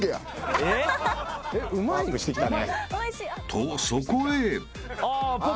［とそこへ］